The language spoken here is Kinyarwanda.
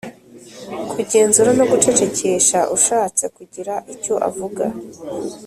kugenzura no gucecekesha ushatse kugira icyo avuga